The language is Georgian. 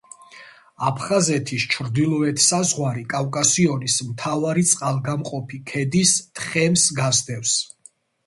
აფხაზეთის ჩრდილოეთ საზღვარი კავკასიონის მთავარი წყალგამყოფი ქედის თხემს გასდევს.